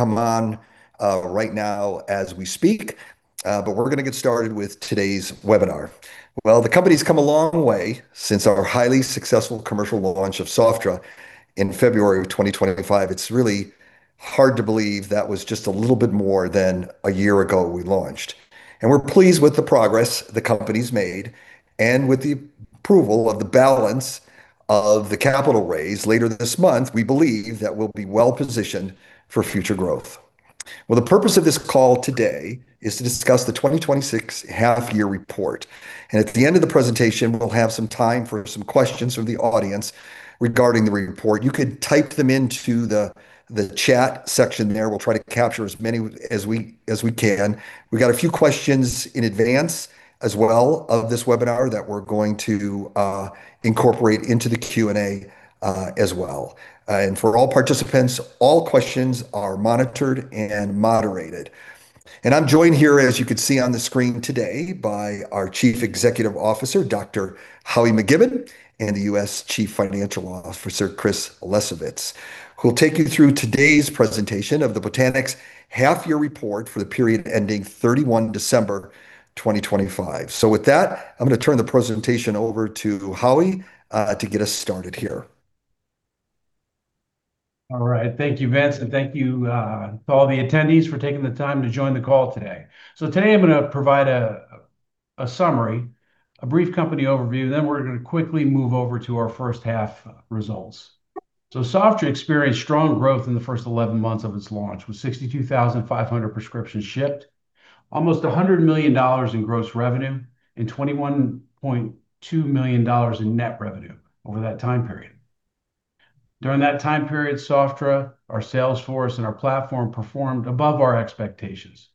Come on, right now as we speak, we're gonna get started with today's webinar. The company's come a long way since our highly successful commercial launch of Sofdra in February of 2025. It's really hard to believe that was just a little bit more than a year ago we launched. We're pleased with the progress the company's made, and with the approval of the balance of the capital raise later this month, we believe that we'll be well-positioned for future growth. The purpose of this call today is to discuss the 2026 half-year report. At the end of the presentation, we'll have some time for some questions from the audience regarding the report. You can type them into the chat section there. We'll try to capture as many as we can. We got a few questions in advance as well of this webinar that we're going to incorporate into the Q&A as well. For all participants, all questions are monitored and moderated. I'm joined here, as you can see on the screen today, by our Chief Executive Officer, Dr. Howie McKibbon, and the U.S. Chief Financial Officer, Chris Lesovitz, who'll take you through today's presentation of the Botanix half-year report for the period ending 31 December, 2025. With that, I'm gonna turn the presentation over to Howie to get us started here. All right. Thank you, Vince, and thank you to all the attendees for taking the time to join the call today. Today, I'm gonna provide a summary, a brief company overview, then we're gonna quickly move over to our first half results. Sofdra experienced strong growth in the first 11 months of its launch, with 62,500 prescriptions shipped, almost $100 million in gross revenue, and $21.2 million in net revenue over that time period. During that time period, Sofdra, our sales force, and our platform performed above our expectations.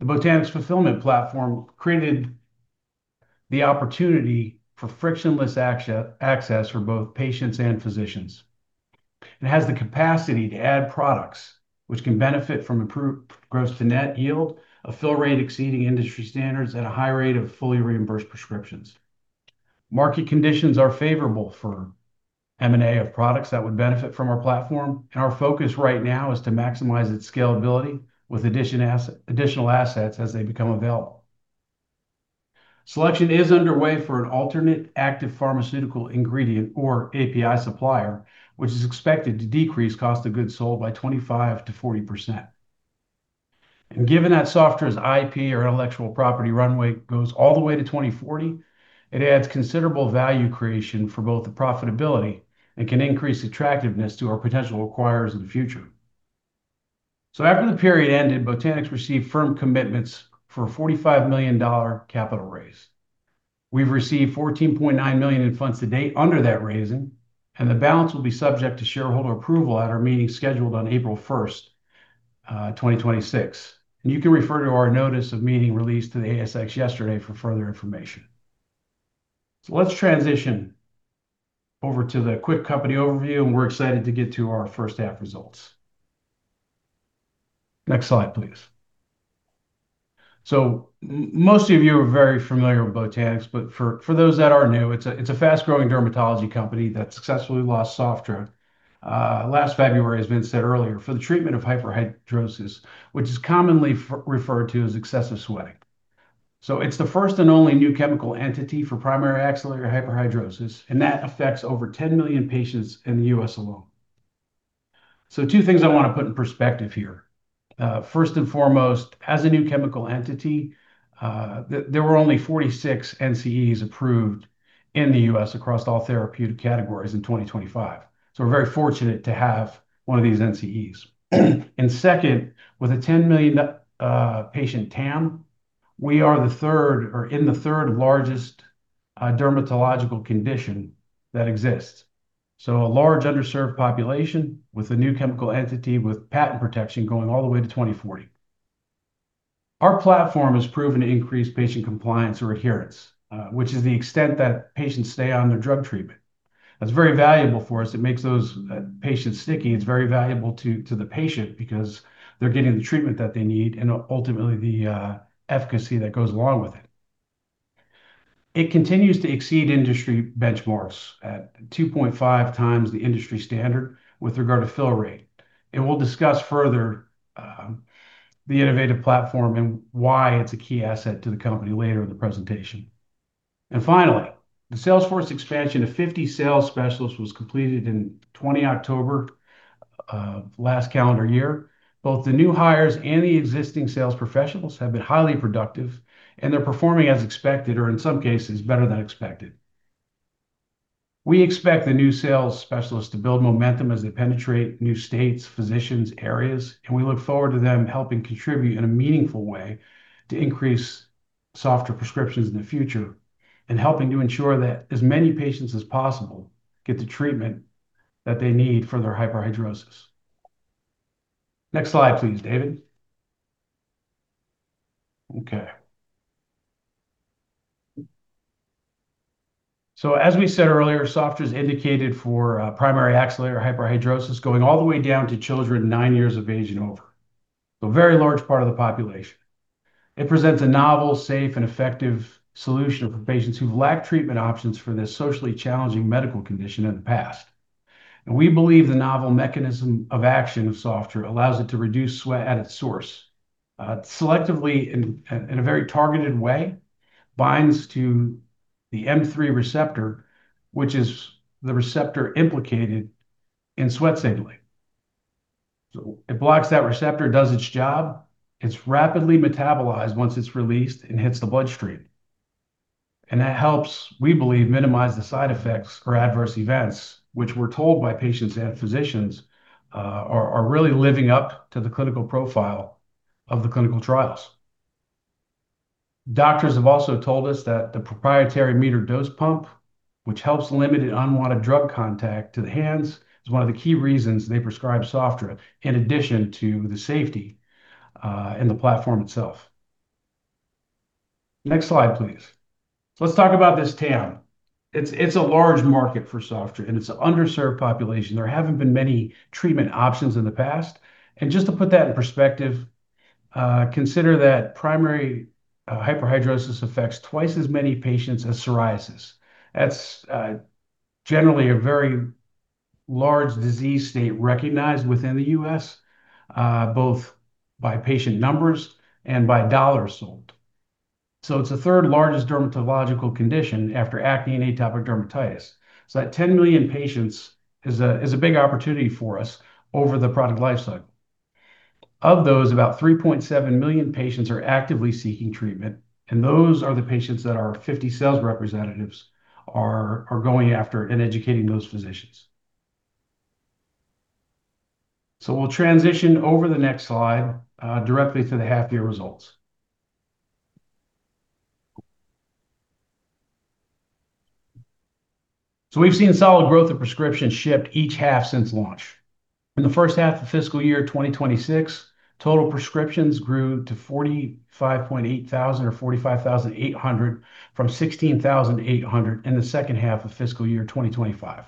The Botanix fulfillment platform created the opportunity for frictionless access for both patients and physicians. It has the capacity to add products which can benefit from improved gross to net yield, a fill rate exceeding industry standards at a high rate of fully reimbursed prescriptions. Market conditions are favorable for M&A of products that would benefit from our platform. Our focus right now is to maximize its scalability with additional assets as they become available. Selection is underway for an alternate active pharmaceutical ingredient or API supplier, which is expected to decrease cost of goods sold by 25% to 40%. Given that Sofdra's IP or intellectual property runway goes all the way to 2040, it adds considerable value creation for both the profitability and can increase attractiveness to our potential acquirers in the future. After the period ended, Botanix received firm commitments for a $45 million capital raise. We've received $14.9 million in funds to date under that raising. The balance will be subject to shareholder approval at our meeting scheduled on April 1st, 2026. You can refer to our notice of meeting released to the ASX yesterday for further information. Let's transition over to the quick company overview, and we're excited to get to our first half results. Next slide, please. Most of you are very familiar with Botanix, but for those that are new, it's a fast-growing dermatology company that successfully launched Sofdra last February, as Vince said earlier, for the treatment of hyperhidrosis, which is commonly referred to as excessive sweating. It's the first and only new chemical entity for primary axillary hyperhidrosis, and that affects over 10 million patients in the US alone. Two things I wanna put in perspective here. First and foremost, as a new chemical entity, there were only 46 NCEs approved in the US across all therapeutic categories in 2025. We're very fortunate to have one of these NCEs. And second, with a 10 million patient TAM, we are the third or in the third-largest dermatological condition that exists. A large underserved population with a new chemical entity with patent protection going all the way to 2040. Our platform has proven to increase patient compliance or adherence, which is the extent that patients stay on their drug treatment. That's very valuable for us. It makes those patients sticky. It's very valuable to the patient because they're getting the treatment that they need and ultimately the efficacy that goes along with it. It continues to exceed industry benchmarks at 2.5 times the industry standard with regard to fill rate. We'll discuss further the innovative platform and why it's a key asset to the company later in the presentation. Finally, the sales force expansion of 50 sales specialists was completed in 20 October last calendar year. Both the new hires and the existing sales professionals have been highly productive, and they're performing as expected, or in some cases, better than expected. We expect the new sales specialists to build momentum as they penetrate new states, physicians, areas, and we look forward to them helping contribute in a meaningful way to increase Sofdra prescriptions in the future and helping to ensure that as many patients as possible get the treatment that they need for their hyperhidrosis. Next slide, please, David. Okay. As we said earlier, Sofdra's indicated for primary axillary hyperhidrosis going all the way down to children nine years of age and over. A very large part of the populationIt presents a novel, safe, and effective solution for patients who've lacked treatment options for this socially challenging medical condition in the past. We believe the novel mechanism of action of Sofdra allows it to reduce sweat at its source, selectively in a very targeted way, binds to the M3 receptor, which is the receptor implicated in sweat signaling. It blocks that receptor, does its job. It's rapidly metabolized once it's released and hits the bloodstream. That helps, we believe, minimize the side effects or adverse events, which we're told by patients and physicians, are really living up to the clinical profile of the clinical trials. Doctors have also told us that the proprietary metered-dose pump, which helps limit unwanted drug contact to the hands, is one of the key reasons they prescribe Sofdra in addition to the safety and the platform itself. Next slide, please. Let's talk about this TAM. It's a large market for Sofdra, and it's an underserved population. There haven't been many treatment options in the past. Just to put that in perspective, consider that primary hyperhidrosis affects twice as many patients as psoriasis. That's generally a very large disease state recognized within the U.S., both by patient numbers and by dollars sold. It's the third-largest dermatological condition after acne and atopic dermatitis. That 10 million patients is a big opportunity for us over the product life cycle. Of those, about 3.7 million patients are actively seeking treatment, and those are the patients that our 50 sales representatives are going after and educating those physicians. We'll transition over the next slide directly to the half-year results. We've seen solid growth of prescriptions shipped each half since launch. In the first half of fiscal year 2026, total prescriptions grew to 45.8 thousand or 45,800 from 16,800 in the second half of fiscal year 2025.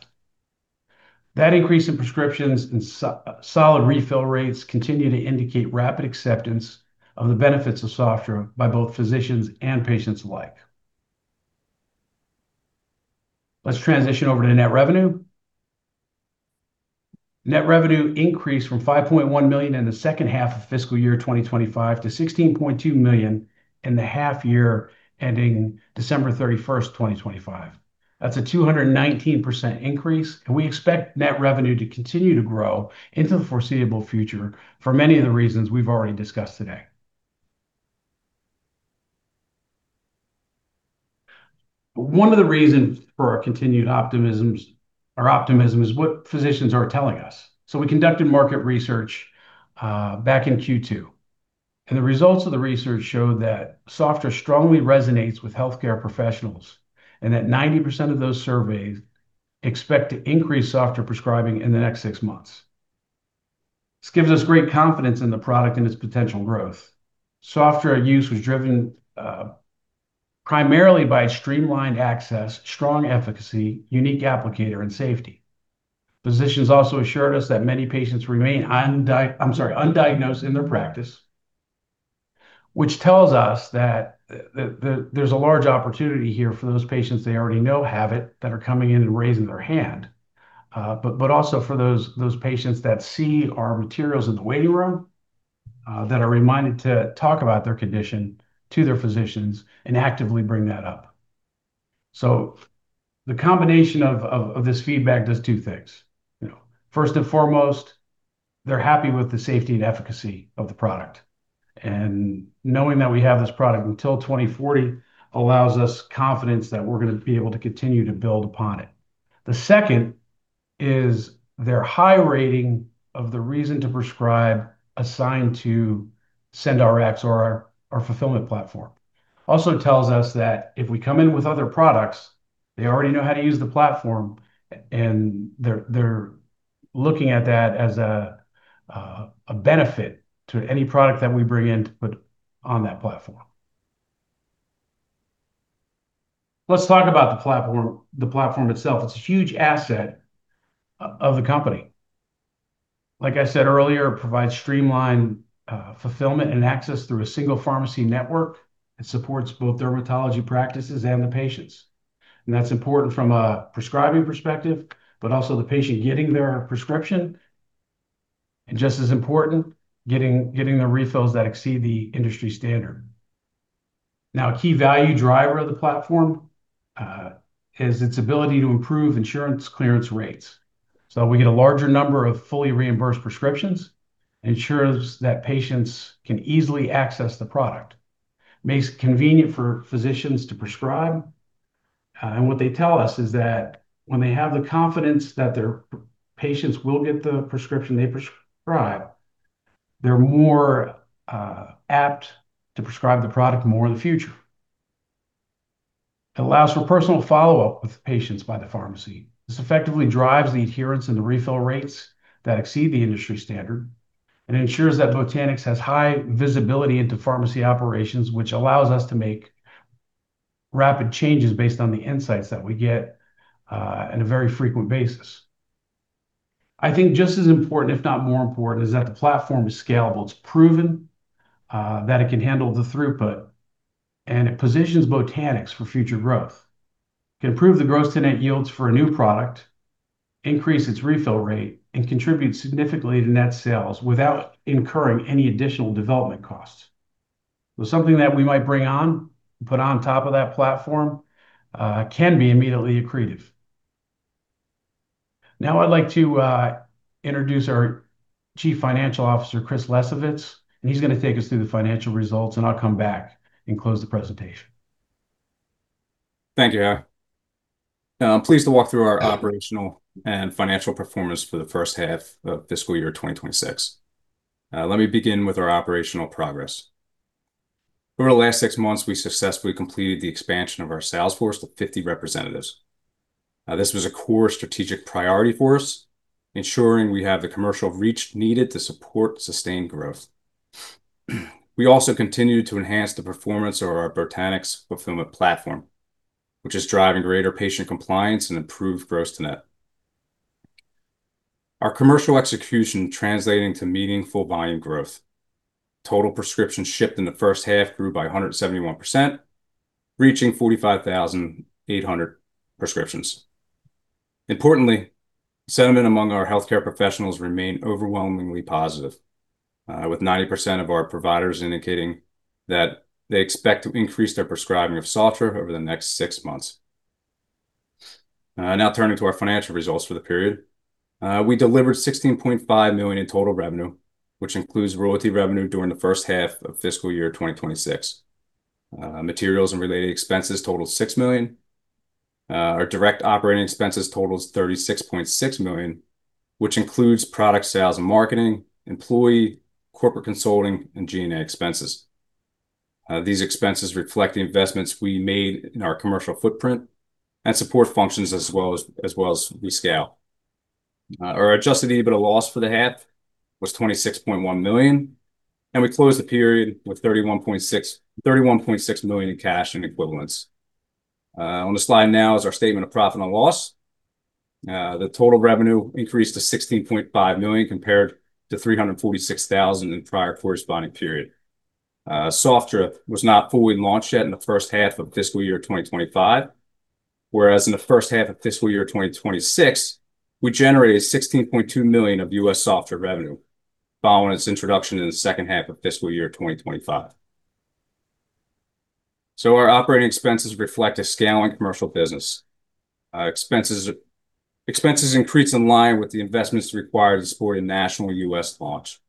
That increase in prescriptions and solid refill rates continue to indicate rapid acceptance of the benefits of Sofdra by both physicians and patients alike. Let's transition over to net revenue. Net revenue increased from 5.1 million in the 2nd half of fiscal year 2025 to 16.2 million in the half-year ending December 31st, 2025. That's a 219% increase, and we expect net revenue to continue to grow into the foreseeable future for many of the reasons we've already discussed today. One of the reasons for our continued optimism is what physicians are telling us. We conducted market research back in Q2, and the results of the research show that Sofdra strongly resonates with healthcare professionals, and that 90% of those surveyed expect to increase Sofdra prescribing in the next six months. This gives us great confidence in the product and its potential growth. Sofdra use was driven primarily by streamlined access, strong efficacy, unique applicator, and safety. Physicians also assured us that many patients remain undiagnosed in their practice, which tells us that the there's a large opportunity here for those patients they already know have it that are coming in and raising their hand, but also for those patients that see our materials in the waiting room, that are reminded to talk about their condition to their physicians and actively bring that up. The combination of this feedback does two things. You know, first and foremost, they're happy with the safety and efficacy of the product, and knowing that we have this product until 2040 allows us confidence that we're gonna be able to continue to build upon it. The second is their high rating of the reason to prescribe assigned to SendRx or our fulfillment platform. Also tells us that if we come in with other products, they already know how to use the platform, and they're looking at that as a benefit to any product that we bring in to put on that platform. Let's talk about the platform, the platform itself. It's a huge asset of the company. Like I said earlier, it provides streamlined fulfillment and access through a single pharmacy network. It supports both dermatology practices and the patients, and that's important from a prescribing perspective, but also the patient getting their prescription, and just as important, getting the refills that exceed the industry standard. Now, a key value driver of the platform is its ability to improve insurance clearance rates. We get a larger number of fully reimbursed prescriptions, ensures that patients can easily access the product. Makes it convenient for physicians to prescribe. What they tell us is that when they have the confidence that their patients will get the prescription they prescribe, they're more apt to prescribe the product more in the future. It allows for personal follow-up with patients by the pharmacy. This effectively drives the adherence and the refill rates that exceed the industry standard, and ensures that Botanix has high visibility into pharmacy operations, which allows us to make rapid changes based on the insights that we get on a very frequent basis. I think just as important, if not more important, is that the platform is scalable. It's proven that it can handle the throughput, and it positions Botanix for future growth. It can improve the gross-to-net yields for a new product, increase its refill rate, and contribute significantly to net sales without incurring any additional development costs. Something that we might bring on, put on top of that platform, can be immediately accretive. Now I'd like to introduce our Chief Financial Officer, Chris Lesovitz, and he's gonna take us through the financial results, and I'll come back and close the presentation. Thank you, Howie. I'm pleased to walk through our operational and financial performance for the first half of fiscal year 2026. Let me begin with our operational progress. Over the last 6 months, we successfully completed the expansion of our sales force to 50 representatives. This was a core strategic priority for us, ensuring we have the commercial reach needed to support sustained growth. We also continued to enhance the performance of our Botanix fulfillment platform, which is driving greater patient compliance and improved gross-to-net. Our commercial execution translating to meaningful volume growth. Total prescriptions shipped in the first half grew by 171%, reaching 45,800 prescriptions. Importantly, sentiment among our healthcare professionals remain overwhelmingly positive, with 90% of our providers indicating that they expect to increase their prescribing of Sofdra over the next 6 months. Now turning to our financial results for the period. We delivered 16.5 million in total revenue, which includes royalty revenue during the first half of fiscal year 2026. Materials and related expenses totaled 6 million. Our direct operating expenses totals 36.6 million, which includes product sales and marketing, employee, corporate consulting, and G&A expenses. These expenses reflect the investments we made in our commercial footprint and support functions as well as we scale. Our adjusted EBITDA loss for the half was 26.1 million. We closed the period with 31.6 million in cash and equivalents. On the slide now is our statement of profit and loss. The total revenue increased to 16.5 million compared to 346,000 in prior corresponding period. Sofdra was not fully launched yet in the first half of fiscal year 2025, whereas in the first half of fiscal year 2026, we generated $16.2 million of U.S. Sofdra revenue following its introduction in the second half of fiscal year 2025. Our operating expenses reflect a scaling commercial business. Expenses increased in line with the investments required to support a national U.S. launch.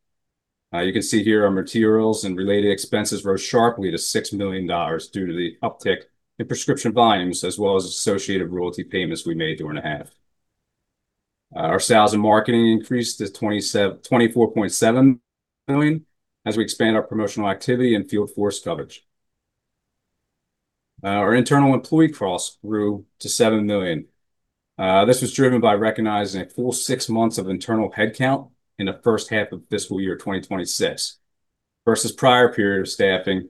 You can see here our materials and related expenses rose sharply to $6 million due to the uptick in prescription volumes, as well as associated royalty payments we made during the half. Our sales and marketing increased to $24.7 million as we expand our promotional activity and field force coverage. Our internal employee costs grew to $7 million. This was driven by recognizing a full 6 months of internal headcount in the first half of fiscal year 2026 versus prior period of staffing,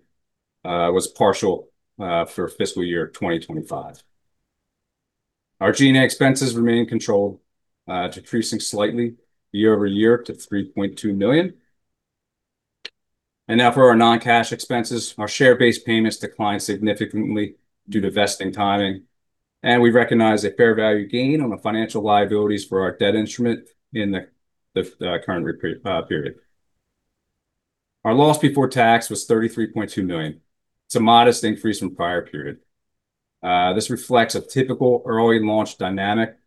was partial for fiscal year 2025. Our G&A expenses remain controlled, decreasing slightly year-over-year to $3.2 million. For our non-cash expenses, our share-based payments declined significantly due to vesting timing, and we recognize a fair value gain on the financial liabilities for our debt instrument in the current period. Our loss before tax was $33.2 million. It's a modest increase from prior period. This reflects a typical early launch dynamic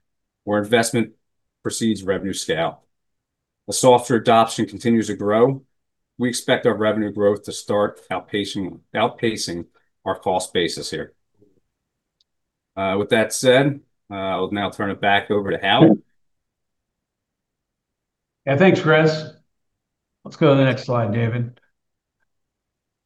where investment precedes revenue scale. As Sofdra adoption continues to grow, we expect our revenue growth to start outpacing our cost basis here. With that said, I'll now turn it back over to Howie. Yeah. Thanks, Chris. Let's go to the next slide, David.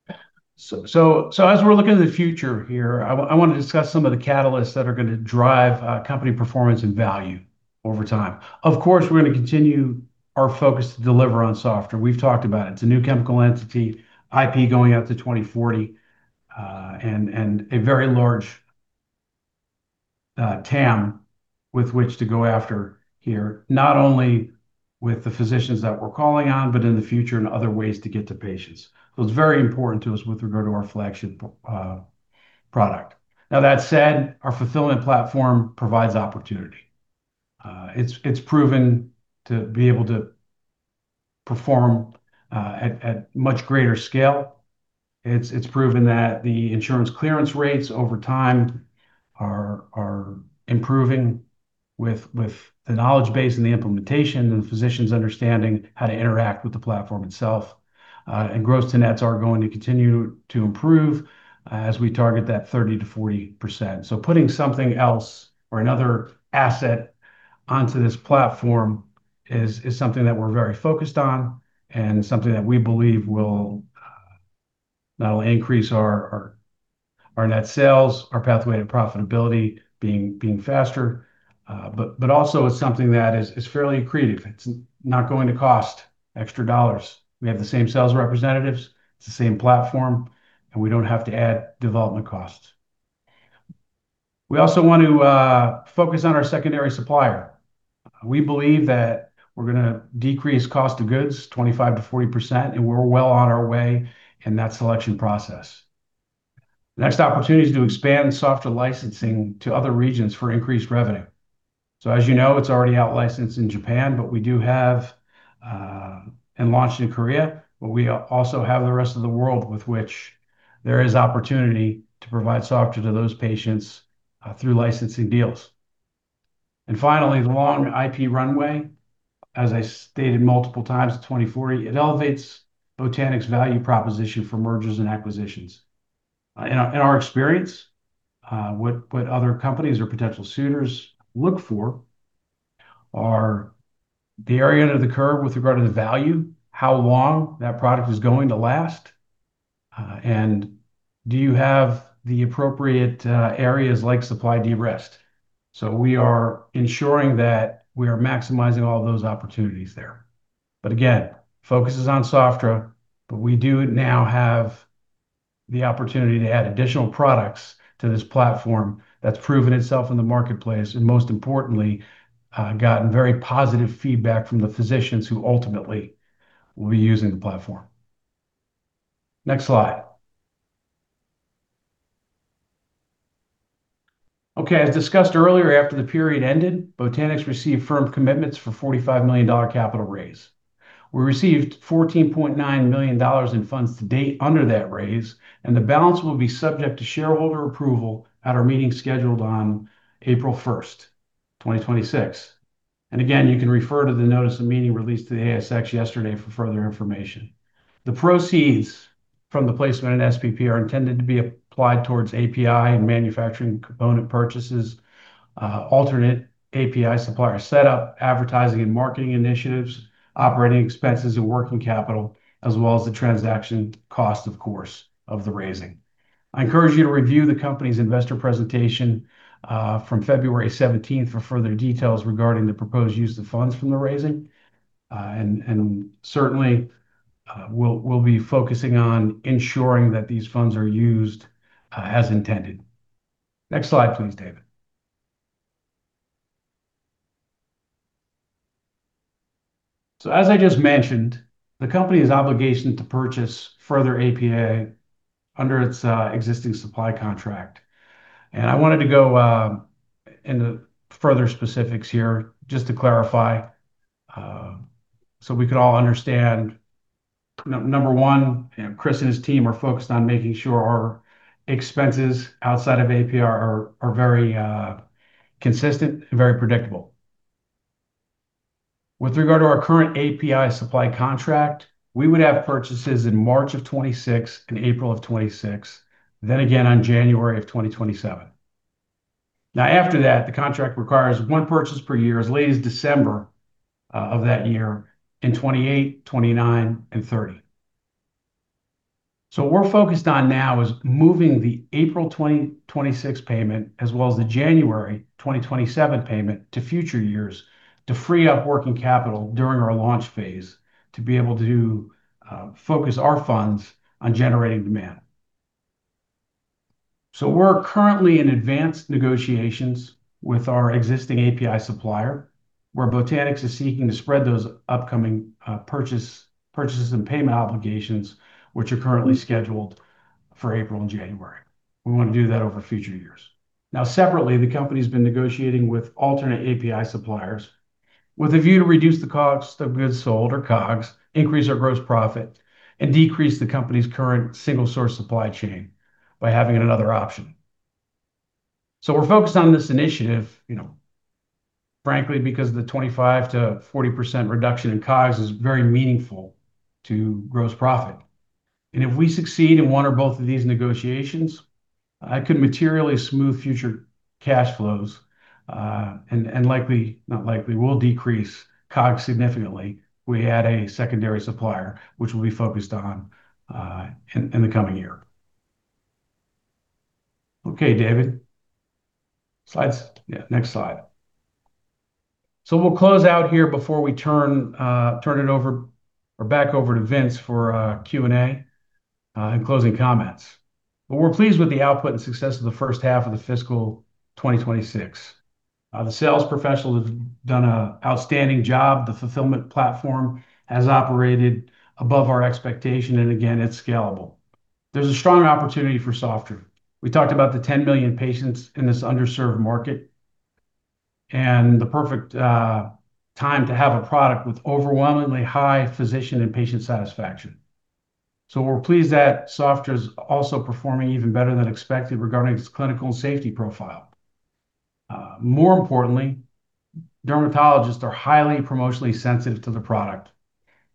As we're looking at the future here, I wanna discuss some of the catalysts that are gonna drive company performance and value over time. Of course, we're gonna continue our focus to deliver on Sofdra. We've talked about it. It's a new chemical entity, IP going out to 2040, and a very large TAM with which to go after here, not only with the physicians that we're calling on, but in the future and other ways to get to patients. It's very important to us with regard to our flagship product. Now, that said, our fulfillment platform provides opportunity. It's proven to be able to perform at much greater scale. It's proven that the insurance clearance rates over time are improving with the knowledge base and the implementation and physicians understanding how to interact with the platform itself. Gross-to-nets are going to continue to improve as we target that 30%-40%. Putting something else or another asset onto this platform is something that we're very focused on and something that we believe will not only increase our net sales, our pathway to profitability being faster, but also it's something that is fairly accretive. It's not going to cost extra dollars. We have the same sales representatives, it's the same platform, and we don't have to add development costs. We also want to focus on our secondary supplier. We believe that we're gonna decrease cost of goods 25%-40%, and we're well on our way in that selection process. The next opportunity is to expand software licensing to other regions for increased revenue. As you know, it's already out licensed in Japan, but we do have, and launched in Korea, but we also have the rest of the world with which there is opportunity to provide software to those patients, through licensing deals. Finally, the long IP runway, as I stated multiple times, 2040, it elevates Botanix value proposition for mergers and acquisitions. In our, in our experience, what other companies or potential suitors look for are the area under the curve with regard to the value, how long that product is going to last, and do you have the appropriate areas like supply de-risk. We are ensuring that we are maximizing all those opportunities there. Again, focus is on Sofdra, but we do now have the opportunity to add additional products to this platform that's proven itself in the marketplace, and most importantly, gotten very positive feedback from the physicians who ultimately will be using the platform. Next slide. As discussed earlier, after the period ended, Botanix received firm commitments for 45 million dollar capital raise. We received 14.9 million dollars in funds to date under that raise, and the balance will be subject to shareholder approval at our meeting scheduled on April 1, 2026. Again, you can refer to the notice of meeting released to the ASX yesterday for further information. The proceeds from the placement in SPP are intended to be applied towards API and manufacturing component purchases, alternate API supplier setup, advertising and marketing initiatives, operating expenses and working capital, as well as the transaction cost, of course, of the raising. I encourage you to review the company's investor presentation from February 17 for further details regarding the proposed use of funds from the raising. Certainly, we'll be focusing on ensuring that these funds are used as intended. Next slide, please, David. As I just mentioned, the company's obligation to purchase further API under its existing supply contract. I wanted to go into further specifics here just to clarify, so we could all understand. Number one, you know, Chris and his team are focused on making sure our expenses outside of API are very consistent and very predictable. With regard to our current API supply contract, we would have purchases in March of 2026 and April of 2026, then again on January of 2027. After that, the contract requires one purchase per year as late as December of that year in 2028, 2029 and 2030. What we're focused on now is moving the April 2026 payment as well as the January 2027 payment to future years to free up working capital during our launch phase to be able to focus our funds on generating demand. We're currently in advanced negotiations with our existing API supplier, where Botanix is seeking to spread those upcoming purchases and payment obligations, which are currently scheduled for April and January. We wanna do that over future years. Now, separately, the company's been negotiating with alternate API suppliers with a view to reduce the cost of goods sold or COGS, increase our gross profit, and decrease the company's current single source supply chain by having another option. We're focused on this initiative, you know, frankly, because the 25%-40% reduction in COGS is very meaningful to gross profit. If we succeed in one or both of these negotiations, I could materially smooth future cash flows, and will decrease COGS significantly. We add a secondary supplier, which we'll be focused on in the coming year. Okay, David. Slides. Yeah, next slide. We'll close out here before we turn it over or back over to Vince for Q&A and closing comments. We're pleased with the output and success of the first half of the fiscal 2026. The sales professionals have done an outstanding job. The fulfillment platform has operated above our expectation, and again, it's scalable. There's a strong opportunity for Sofdra. We talked about the 10 million patients in this underserved market, and the perfect time to have a product with overwhelmingly high physician and patient satisfaction. We're pleased that Sofdra is also performing even better than expected regarding its clinical and safety profile. More importantly, dermatologists are highly promotionally sensitive to the product,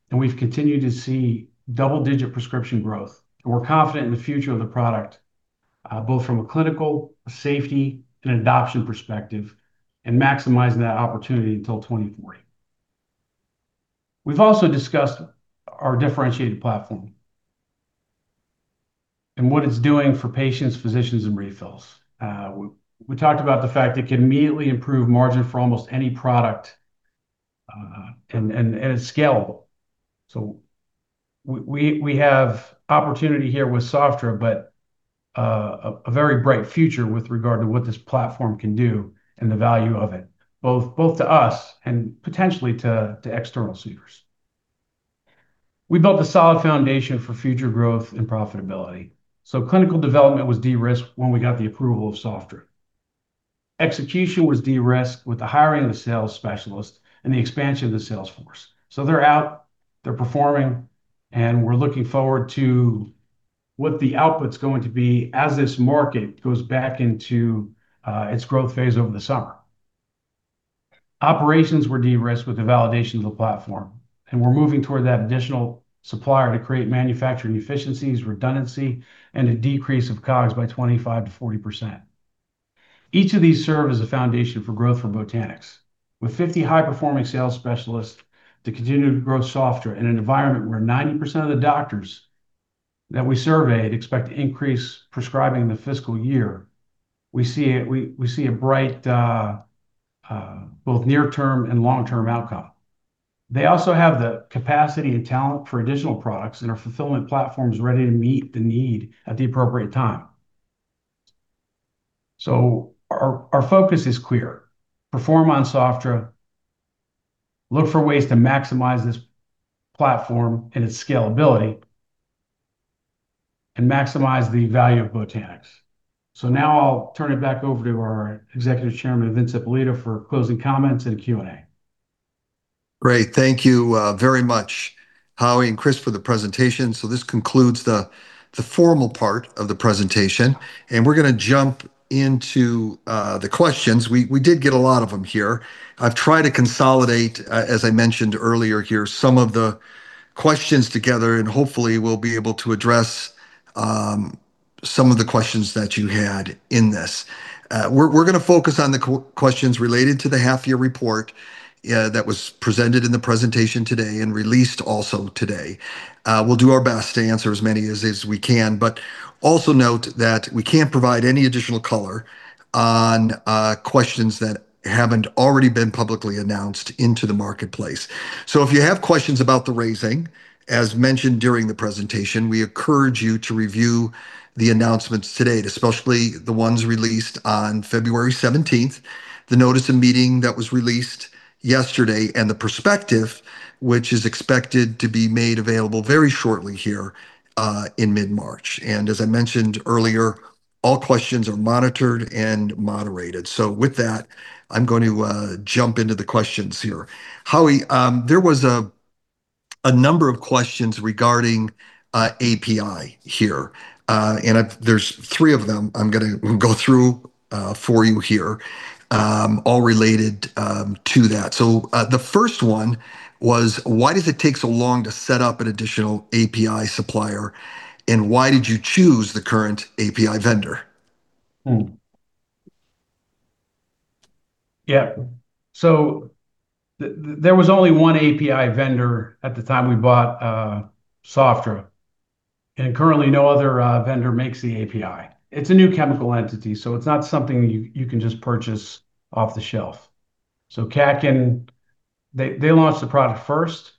and we've continued to see double-digit prescription growth. We're confident in the future of the product, both from a clinical, safety, and adoption perspective, and maximizing that opportunity until 2040. We've also discussed our differentiated platform and what it's doing for patients, physicians, and refills. We talked about the fact it can immediately improve margin for almost any product and it's scalable. We have opportunity here with Sofdra, but a very bright future with regard to what this platform can do and the value of it, both to us and potentially to external seekers. We built a solid foundation for future growth and profitability. Clinical development was de-risked when we got the approval of Sofdra. Execution was de-risked with the hiring of the sales specialist and the expansion of the sales force. They're out, they're performing, and we're looking forward to what the output's going to be as this market goes back into its growth phase over the summer. Operations were de-risked with the validation of the platform, and we're moving toward that additional supplier to create manufacturing efficiencies, redundancy, and a decrease of COGS by 25% to 40%. Each of these serve as a foundation for growth for Botanix. With 50 high-performing sales specialists to continue to grow Sofdra in an environment where 90% of the doctors that we surveyed expect to increase prescribing in the fiscal year, we see a bright, both near-term and long-term outcome. They also have the capacity and talent for additional products, and our fulfillment platform's ready to meet the need at the appropriate time. Our focus is clear. Perform on Sofdra, look for ways to maximize this platform and its scalability, and maximize the value of Botanix. Now I'll turn it back over to our Executive Chairman, Vince Ippolito, for closing comments and a Q&A. Great. Thank you very much, Howie and Chris, for the presentation. This concludes the formal part of the presentation, and we're gonna jump into the questions. We did get a lot of them here. I've tried to consolidate, as I mentioned earlier here, some of the questions together, and hopefully we'll be able to address some of the questions that you had in this. We're gonna focus on the questions related to the half-year report that was presented in the presentation today and released also today. We'll do our best to answer as many as we can. Also note that we can't provide any additional color on questions that haven't already been publicly announced into the marketplace. If you have questions about the raising, as mentioned during the presentation, we encourage you to review the announcements to date, especially the ones released on February 17th, the notice of meeting that was released yesterday, and the perspective which is expected to be made available very shortly here, in mid-March. As I mentioned earlier, all questions are monitored and moderated. With that, I'm going to jump into the questions here. Howie, there was a number of questions regarding API here. I've there's three of them I'm gonna go through for you here, all related to that. The first one was, "Why does it take so long to set up an additional API supplier, and why did you choose the current API vendor? Yeah. There was only one API vendor at the time we bought Sofdra, and currently no other vendor makes the API. It's a new chemical entity, so it's not something you can just purchase off the shelf. Kaken, they launched the product first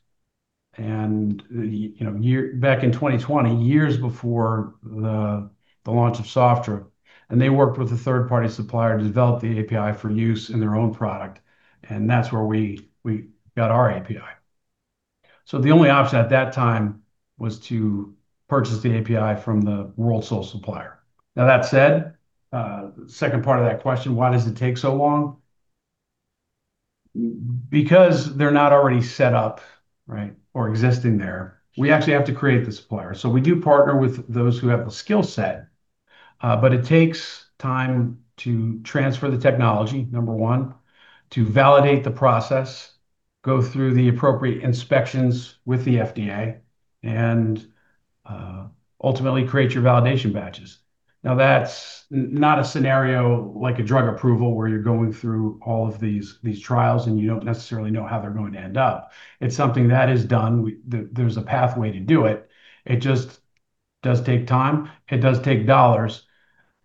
and you know, back in 2020, years before the launch of Sofdra, and they worked with a third-party supplier to develop the API for use in their own product, and that's where we got our API. The only option at that time was to purchase the API from the world sole supplier. That said, second part of that question, why does it take so long? Because they're not already set up, right? Or existing there. We actually have to create the supplier. We do partner with those who have the skill set, but it takes time to transfer the technology, number one, to validate the process, go through the appropriate inspections with the FDA, and ultimately create your validation batches. That's not a scenario like a drug approval where you're going through all of these trials and you don't necessarily know how they're going to end up. It's something that is done. There's a pathway to do it. It just does take time. It does take dollars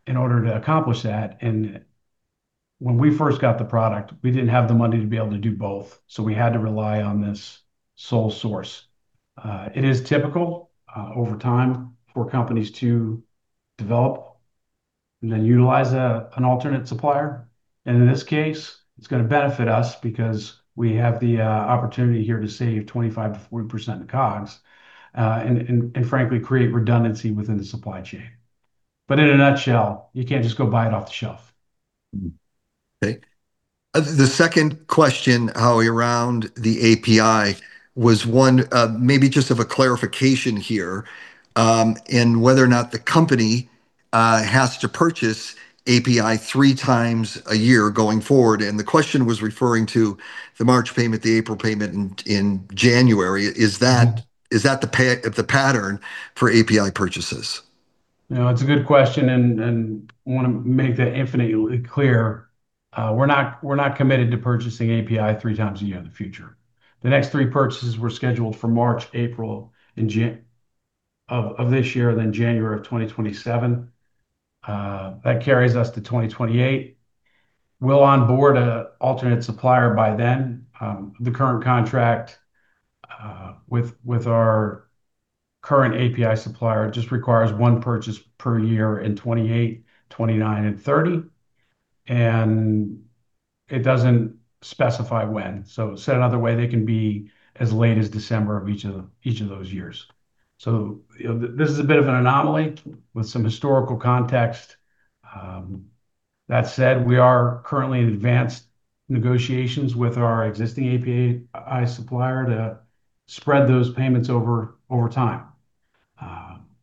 in order to accomplish that. When we first got the product, we didn't have the money to be able to do both, we had to rely on this sole source. It is typical over time for companies to develop and then utilize a, an alternate supplier. In this case it's gonna benefit us because we have the opportunity here to save 25%-40% of COGS, and frankly create redundancy within the supply chain. In a nutshell, you can't just go buy it off the shelf. Okay. The second question, Howie, around the API was one, maybe just of a clarification here, in whether or not the company has to purchase API three times a year going forward, and the question was referring to the March payment, the April payment in January. Is that- Mm-hmm -is that the pattern for API purchases? No, it's a good question, and wanna make that infinitely clear. We're not committed to purchasing API three times a year in the future. The next three purchases were scheduled for March, April, and January of this year, then January of 2027. That carries us to 2028. We'll onboard a alternate supplier by then. The current contract with our current API supplier just requires one purchase per year in 2028, 2029, and 2030, and it doesn't specify when. Said another way, they can be as late as December of each of those years. You know, this is a bit of an anomaly with some historical context. That said, we are currently in advanced negotiations with our existing API supplier to spread those payments over time.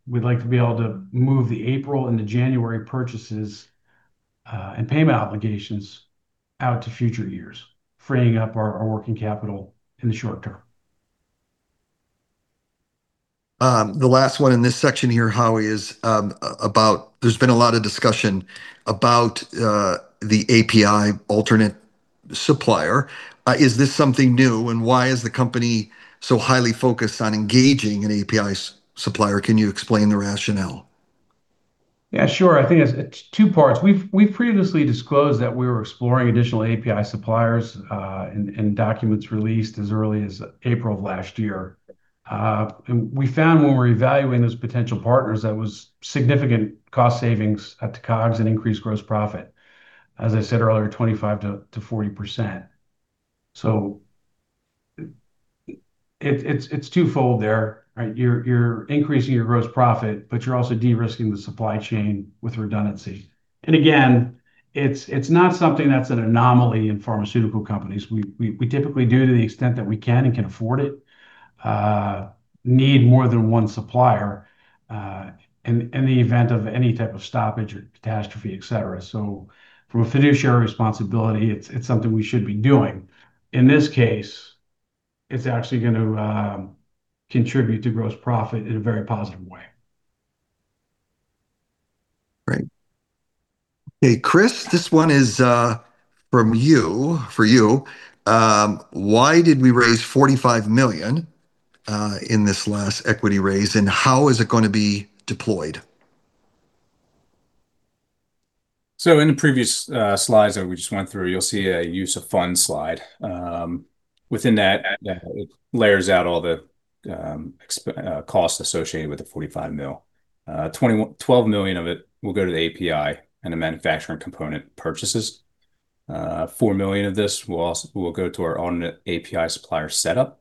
We'd like to be able to move the April and the January purchases and payment obligations out to future years, freeing up our working capital in the short term. The last one in this section here, Howie, is about there's been a lot of discussion about the API alternate supplier. Is this something new, and why is the company so highly focused on engaging an API supplier? Can you explain the rationale? Yeah, sure. I think it's two parts. We've previously disclosed that we were exploring additional API suppliers in documents released as early as April of last year. We found when we were evaluating those potential partners, there was significant cost savings to COGS and increased gross profit, as I said earlier, 25% to 40%. It's twofold there, right? You're increasing your gross profit, but you're also de-risking the supply chain with redundancy. Again, it's not something that's an anomaly in pharmaceutical companies. We typically do to the extent that we can and can afford it, need more than 1 supplier in the event of any type of stoppage or catastrophe, et cetera. From a fiduciary responsibility, it's something we should be doing. In this case, it's actually gonna contribute to gross profit in a very positive way. Right. Okay, Chris, this one is from you, for you. Why did we raise 45 million in this last equity raise, and how is it gonna be deployed? In the previous slides that we just went through, you'll see a use of funds slide. Within that, it layers out all the costs associated with the 45 million. 12 million of it will go to the API and the manufacturing component purchases. 4 million of this will go to our own API supplier setup.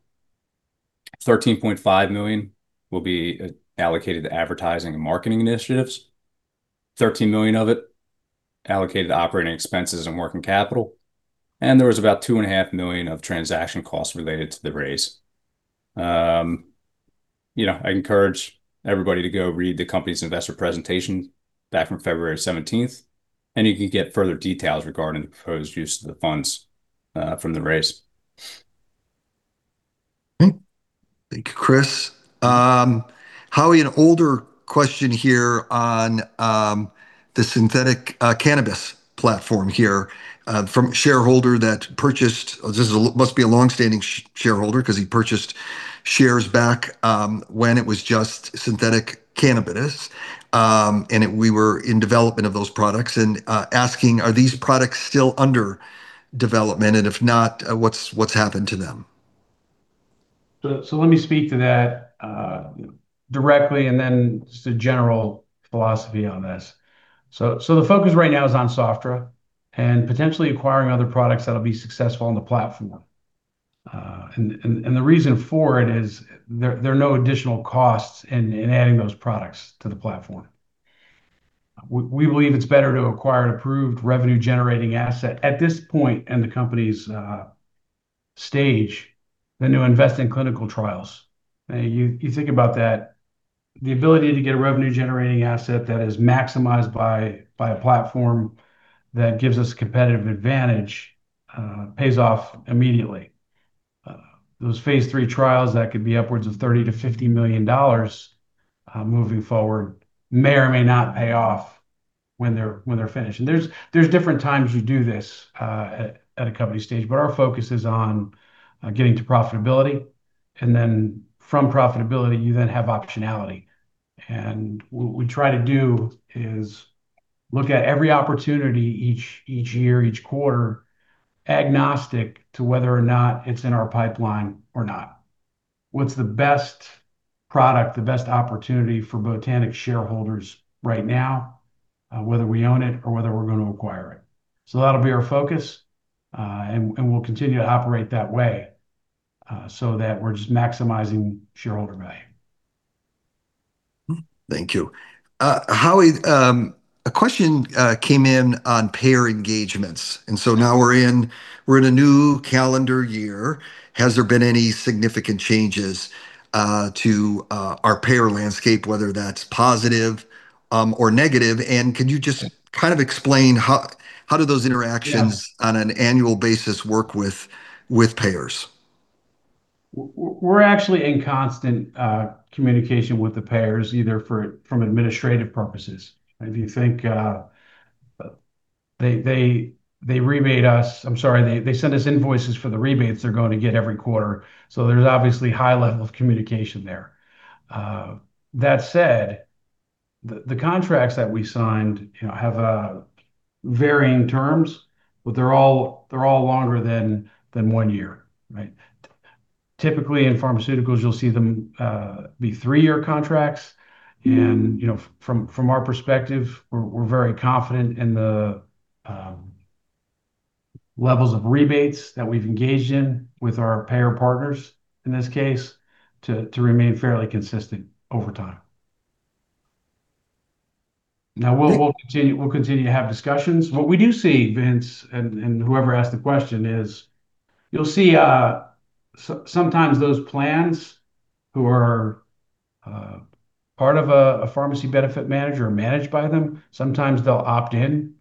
13.5 million will be allocated to advertising and marketing initiatives. 13 million of it allocated to operating expenses and working capital, and there was about 2.5 million of transaction costs related to the raise. You know, I encourage everybody to go read the company's investor presentation back from February 17th, and you can get further details regarding the proposed use of the funds from the raise. Thank you, Chris. Howie, an older question here on the synthetic cannabis platform here, from a shareholder that purchased. This must be a longstanding shareholder 'cause he purchased shares back when it was just synthetic cannabis, and we were in development of those products and asking, "Are these products still under development, and if not, what's happened to them? Let me speak to that directly and then just a general philosophy on this. The focus right now is on Sofdra and potentially acquiring other products that'll be successful on the platform. The reason for it is there are no additional costs in adding those products to the platform. We believe it's better to acquire an approved revenue-generating asset at this point in the company's stage than to invest in clinical trials. You think about that, the ability to get a revenue-generating asset that is maximized by a platform that gives us competitive advantage, pays off immediately. Those phase three trials, that could be upwards of 30 million-50 million dollars moving forward, may or may not pay off when they're finished. There's different times you do this at a company stage, but our focus is on getting to profitability. From profitability, you then have optionality. What we try to do is look at every opportunity each year, each quarter, agnostic to whether or not it's in our pipeline or not. What's the best product, the best opportunity for Botanix shareholders right now, whether we own it or whether we're gonna acquire it? That'll be our focus, and we'll continue to operate that way, so that we're just maximizing shareholder value. Thank you. Howie, a question came in on payer engagements, and so now we're in a new calendar year. Has there been any significant changes to our payer landscape, whether that's positive or negative? Can you just kind of explain how do those interactions- Yeah -on an annual basis work with payers? We're actually in constant communication with the payers, either for administrative purposes. If you think, they rebate us, I'm sorry, they send us invoices for the rebates they're going to get every quarter, there's obviously high level of communication there. That said, the contracts that we signed, you know, have varying terms, but they're all longer than 1 year, right? Typically, in pharmaceuticals, you'll see them be 3-year contracts. Mm. you know, from our perspective, we're very confident in the levels of rebates that we've engaged in with our payer partners in this case to remain fairly consistent over time. Thank- We'll continue to have discussions. What we do see, Vince, and whoever asked the question is, you'll see sometimes those plans who are part of a pharmacy benefit manager or managed by them, sometimes they'll opt in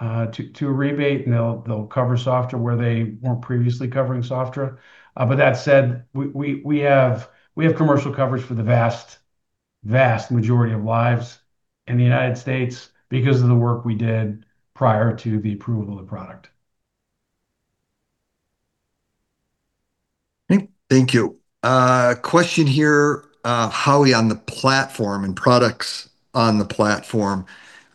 to a rebate, and they'll cover Sofdra where they weren't previously covering Sofdra. That said, we have commercial coverage for the vast majority of lives in the United States because of the work we did prior to the approval of the product. Thank you. Question here, Howie, on the platform and products on the platform.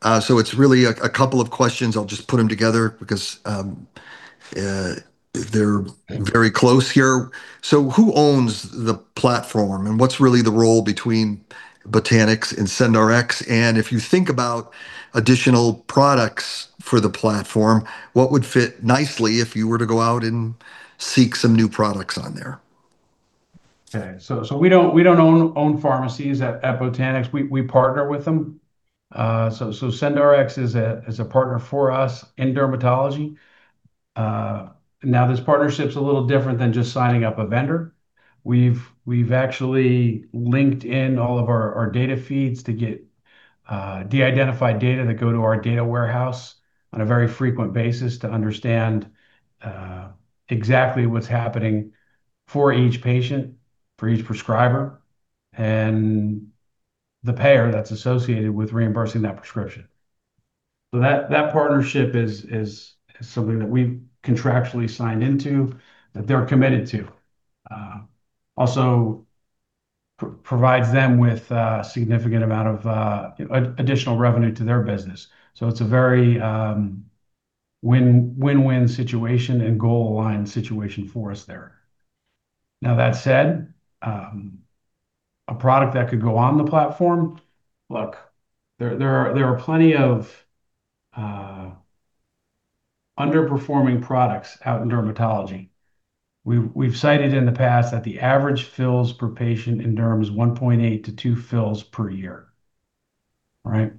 It's really a couple of questions. I'll just put them together because they're very close here. Who owns the platform, and what's really the role between Botanix and SendRx? If you think about additional products for the platform, what would fit nicely if you were to go out and seek some new products on there? Okay. We don't own pharmacies at Botanix. We partner with them. SendRx is a partner for us in dermatology. Now this partnership's a little different than just signing up a vendor. We've actually linked in all of our data feeds to get de-identified data that go to our data warehouse on a very frequent basis to understand exactly what's happening for each patient, for each prescriber, and the payer that's associated with reimbursing that prescription. That partnership is something that we've contractually signed into, that they're committed to. Also provides them with a significant amount of additional revenue to their business. It's a very win-win-win situation and goal-aligned situation for us there. That said, look, there are plenty of underperforming products out in dermatology. We've cited in the past that the average fills per patient in derm is 1.8-2 fills per year, right?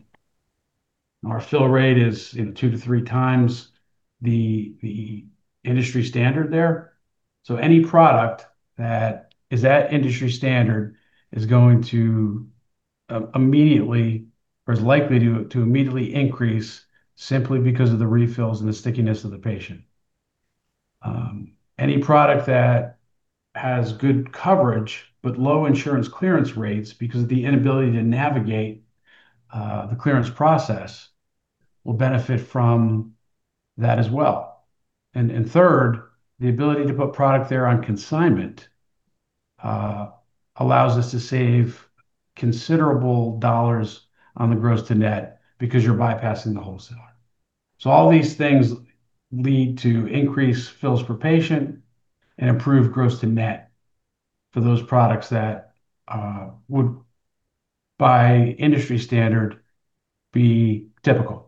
Our fill rate is, you know, 2-3 times the industry standard there. Any product that is at industry standard is going to immediately, or is likely to immediately increase simply because of the refills and the stickiness of the patient. Any product that has good coverage but low insurance clearance rates because of the inability to navigate the clearance process will benefit from that as well. Third, the ability to put product there on consignment allows us to save considerable dollars on the gross to net because you're bypassing the wholesaler. All these things lead to increased fills per patient and improved gross to net for those products that would by industry standard be typical.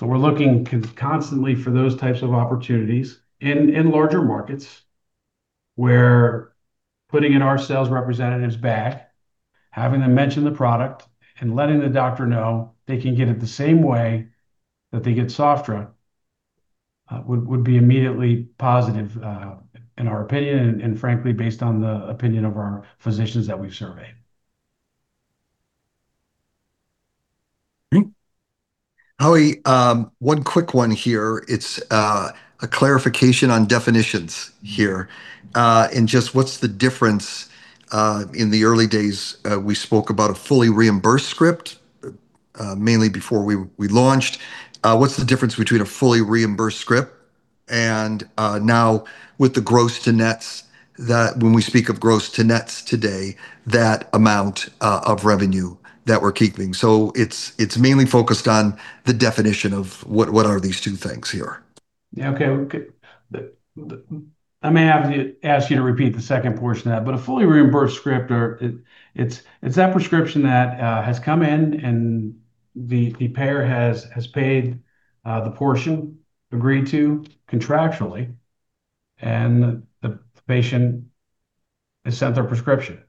We're looking constantly for those types of opportunities in larger markets where putting in our sales representatives back, having them mention the product, and letting the doctor know they can get it the same way that they get Sofdra would be immediately positive in our opinion and frankly, based on the opinion of our physicians that we've surveyed. Howie, one quick one here. It's a clarification on definitions here. Just what's the difference, in the early days, we spoke about a fully reimbursed script, mainly before we launched. What's the difference between a fully reimbursed script and now with the gross to nets that when we speak of gross to nets today, that amount of revenue that we're keeping. It's mainly focused on the definition of what are these two things here. Yeah. Okay. I may ask you to repeat the second portion of that, but a fully reimbursed script or it's that prescription that has come in and the payer has paid the portion agreed to contractually, and the patient is sent their prescription.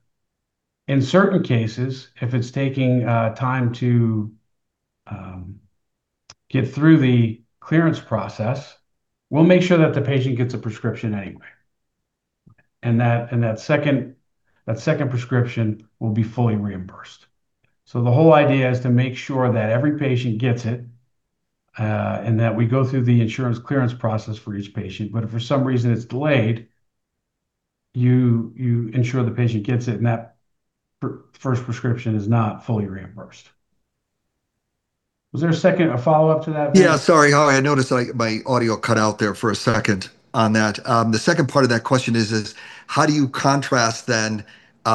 In certain cases, if it's taking time to get through the clearance process, we'll make sure that the patient gets a prescription anyway. That second prescription will be fully reimbursed. The whole idea is to make sure that every patient gets it and that we go through the insurance clearance process for each patient, but if for some reason it's delayed, you ensure the patient gets it, and that first prescription is not fully reimbursed. Was there a second, a follow-up to that, Vince? Yeah, sorry, Howie. I noticed, like, my audio cut out there for a second on that. The second part of that question is how do you contrast then,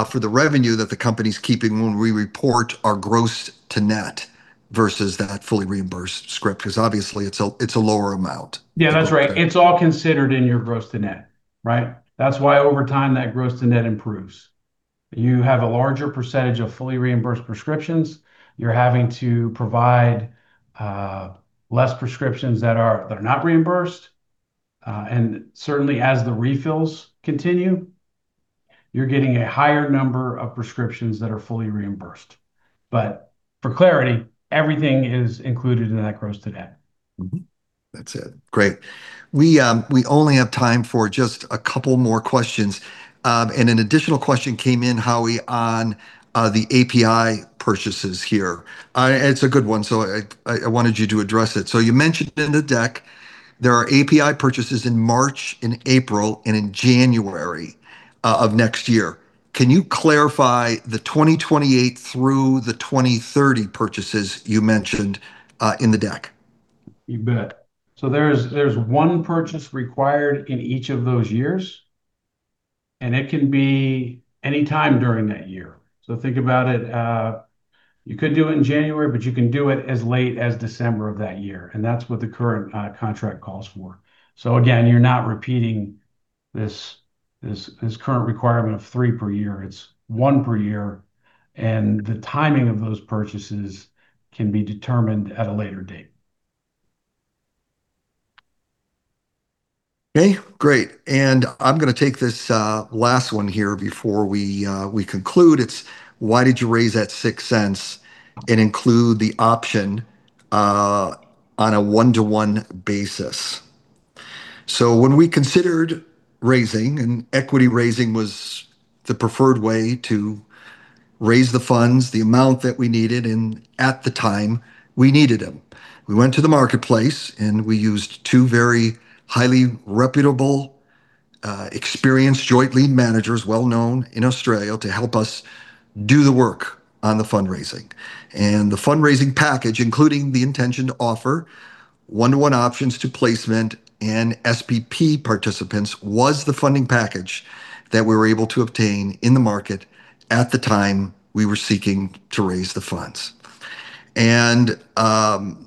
for the revenue that the company's keeping when we report our gross to net versus that fully reimbursed script? 'Cause obviously it's a, it's a lower amount. Yeah. That's right. It's all considered in your gross to net, right? That's why over time that gross to net improves. You have a larger percentage of fully reimbursed prescriptions. You're having to provide less prescriptions that are not reimbursed. Certainly as the refills continue, you're getting a higher number of prescriptions that are fully reimbursed. For clarity, everything is included in that gross to net. That's it. Great. We only have time for just a couple more questions. An additional question came in, Howie, on the API purchases here. It's a good one, so I wanted you to address it. You mentioned in the deck there are API purchases in March and April and in January of next year. Can you clarify the 2028 through the 2030 purchases you mentioned in the deck? You bet. There's one purchase required in each of those years, and it can be any time during that year. Think about it, you could do it in January, but you can do it as late as December of that year, and that's what the current contract calls for. Again, you're not repeating this current requirement of three per year. It's one per year, and the timing of those purchases can be determined at a later date. Okay, great. I'm gonna take this last one here before we conclude. It's why did you raise that 0.06 and include the option on a 1-to-1 basis? When we considered raising, and equity raising was the preferred way to raise the funds, the amount that we needed at the time we needed them. We went to the marketplace, and we used 2 very highly reputable, experienced joint lead managers, well known in Australia, to help us do the work on the fundraising. The fundraising package, including the intention to offer 1-to-1 options to placement and SPP participants, was the funding package that we were able to obtain in the market at the time we were seeking to raise the funds.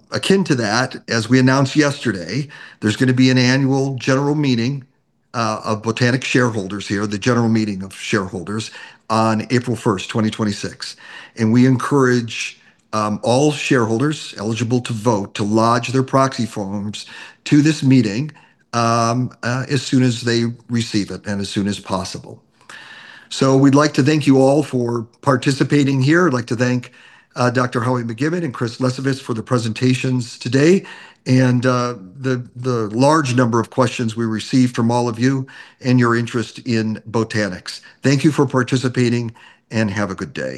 Akin to that, as we announced yesterday, there's gonna be an annual general meeting of Botanix shareholders here, the general meeting of shareholders, on April 1, 2026. We encourage all shareholders eligible to vote to lodge their proxy forms to this meeting as soon as they receive it and as soon as possible. We'd like to thank you all for participating here. I'd like to thank Dr. Howie McKibbon and Chris Lesovitz for the presentations today and the large number of questions we received from all of you and your interest in Botanix. Thank you for participating, and have a good day.